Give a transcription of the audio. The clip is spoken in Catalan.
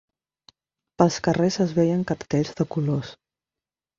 Pels carrers es veien cartells de colors